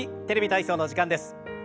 「テレビ体操」の時間です。